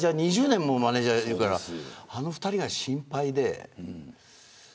２０年もマネジャーしているからあの２人が心配で。